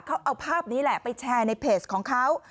เขาเอาภาพนี้แหละไปแชร์ในเพจของเขา